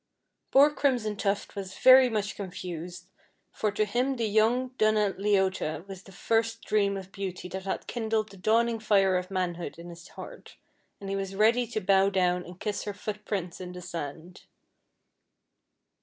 Poor Crimson Tuft was very much confused, for to him the young Donna Leota was the first dream of beauty that had kindled the dawning fire of manhood in his heart, and he was ready to bow down and kiss her foot prints in the sand.